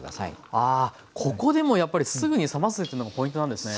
あここでもやっぱりすぐに冷ますってのがポイントなんですね。